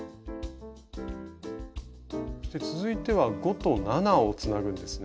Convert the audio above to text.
続いては５と７をつなぐんですね？